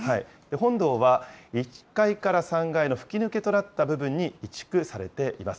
本堂は１階から３階の吹き抜けとなった部分に移築されています。